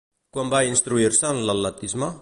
Quan va instruir-se en l'atletisme?